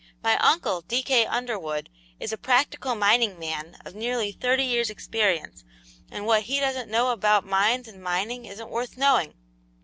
My uncle, D. K. Underwood, is a practical mining man of nearly thirty years' experience, and what he doesn't know about mines and mining isn't worth knowing.